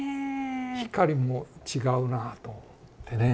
光も違うなあと思ってね。